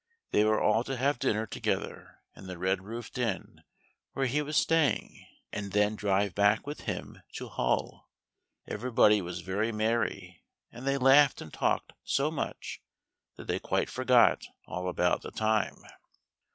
They were all to have dinner together in the red roofed inn where he was staying, and then drive back with him to Hull. Everybody was very merry, and they laughed and talked so much that they quite forgot all about the time.